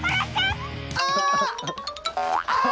あ！